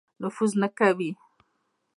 نفوذ نه کوي.